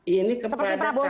ini kepada takmir masjid